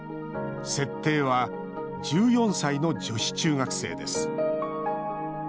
設定は１４歳の女子中学生です。